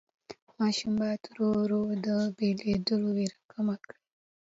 ماشوم باید ورو ورو د بېلېدو وېره کمه کړي.